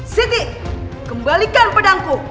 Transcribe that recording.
siti kembalikan pedangku